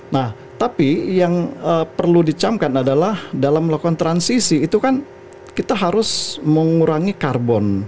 nah tapi yang perlu dicamkan adalah dalam melakukan transisi itu kan kita harus mengurangi karbon